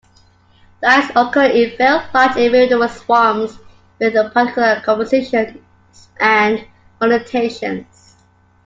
Dikes occur in very large individual swarms with particular compositions and orientations.